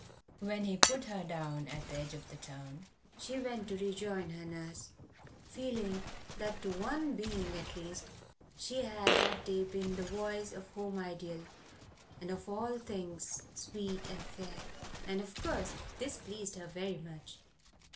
When he put her down at the edge of the town she went to rejoin her nurse feeling that to one human being, at least, she had that day been the voice of the home ideal, and of all things sweet and fair. And, of course, this pleased her very much.